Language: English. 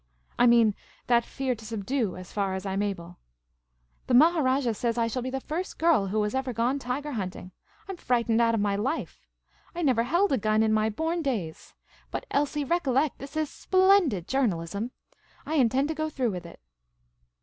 I mean ' that fear to subdue ' as far as I am able. The Maharajah says I shall be the first girl who has ever gone tiger hunting. I 'm frightened out of my life. I never held a gun in my born days. But, Elsie, recollect, this is splendid journalism! I intend to go through with it."